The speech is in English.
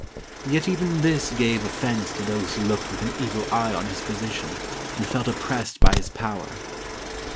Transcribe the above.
Yet even this gave offense to those who looked with an evil eye on his position, and felt oppressed by his power.